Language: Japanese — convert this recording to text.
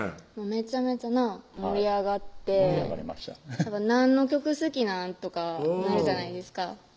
めちゃめちゃなぁ盛り上がって盛り上がりました「何の曲好きなん？」とかなるじゃないですか